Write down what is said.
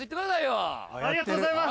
ありがとうございます。